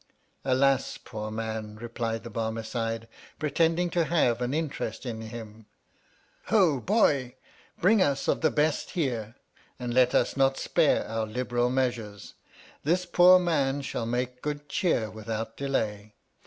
Alas, poor man ! replied the Barmecide, pre tending to have an interest in him. Ho, boy ! Bring us of the best here, and let us not spare our liberal measures. This poor man shall make good cheer without delay.